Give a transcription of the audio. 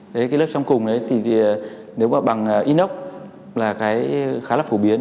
đấy cái lớp trong cùng thì nếu mà bằng inox là cái khá là phổ biến